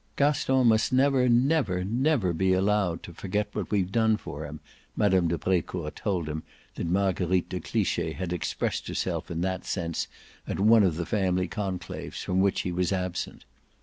"Gaston must never, never, never be allowed to forget what we've done for him:" Mme. de Brecourt told him that Marguerite de Cliche had expressed herself in that sense at one of the family conclaves from which he was absent.